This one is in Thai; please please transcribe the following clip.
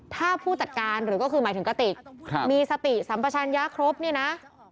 ถ้าผู้จัดการหรือก็คือหมายถึงกระติกมีสติสัมปชัญญาครบเนี่ยนะ